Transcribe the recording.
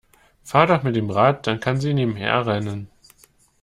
Fahr doch mit dem Rad, dann kann sie nebenher rennen.